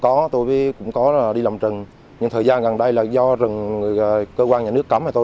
có tôi cũng có đi làm trừng nhưng thời gian gần đây là do rừng cơ quan nhà nước cấm mà tôi